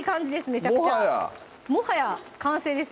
めちゃくちゃもはやもはや完成です